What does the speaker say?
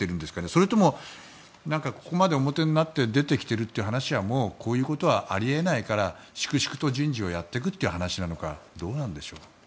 それともここまで表立って出てきているという話はもうこういうことはあり得ないから粛々と人事をやっていくという話なのかどうなんでしょう。